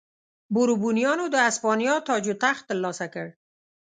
بوروبونیانو د هسپانیا تاج و تخت ترلاسه کړ.